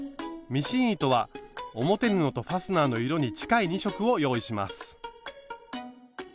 ミシン糸は表布とファスナーの色に近い２色を用意します。